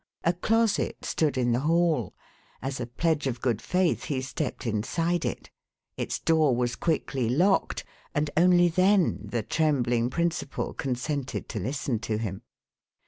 A closet stood in the hall; as a pledge of good faith he stepped inside it. Its door was quickly locked and only then the trembling principal consented to listen to him.